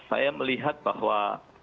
saya melihat bahwa